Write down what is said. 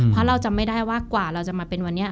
เพราะเราจำไม่ได้ว่ากว่าเราจะมาเป็นวันนี้